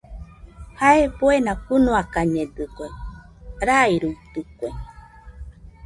Jae buena fɨnoakañedɨkue, rairuitɨkue.